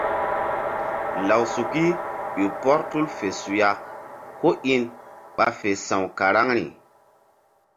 Lawsuki ƴo pɔr tul fe suya kó in ɓa fe sa̧w karaŋri.